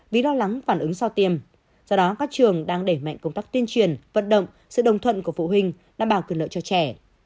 vì lo lắng phản ứng sau tiêm do đó các trường đang để mạnh công tác tiên truyền vận động sự đồng thuận của phụ huynh đảm bảo cường lợi cho trẻ